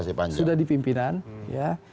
nanti oleh pimpinan sudah di teruskan sampai mana ya